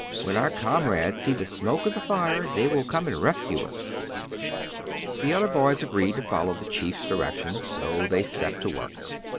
When our comrades see the smoke of the fire they will come and rescue us." The other boys agreed to follow the chief's direction. So they set to work.